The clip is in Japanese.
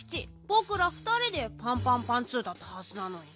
ぼくらふたりでパンパンパンツーだったはずなのに。